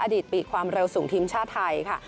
อดีตปีกความเร็วสูงทีมชาติไทยค่ะ